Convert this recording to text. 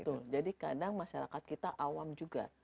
betul jadi kadang masyarakat kita awam juga